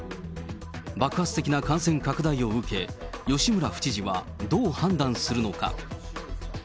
爆発的な感染拡大を受け、吉村府知事はどう判断するのか。